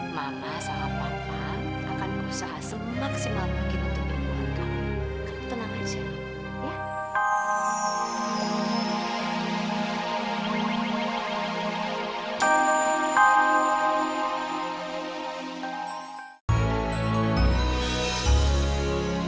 mama sama papa akan berusaha semaksimal mungkin untuk dibuatkan tenaga